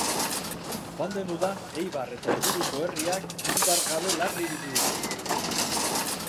Joan den udan Eibar eta inguruko herriak indar gabe larri ibili dira.